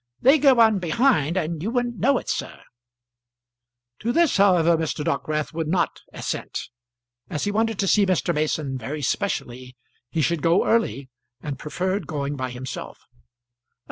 They go on behind, and you wouldn't know it, sir." To this, however, Mr. Dockwrath would not assent. As he wanted to see Mr. Mason very specially, he should go early, and preferred going by himself.